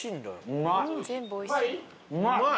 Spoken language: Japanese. うまい。